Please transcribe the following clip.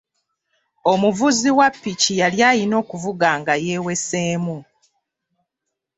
Omuvuzi wa ppiki yali alina okuvuga nga yeeweseemu.